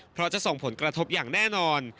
เพราะจะส่งผลกระทบอย่างแน่นอน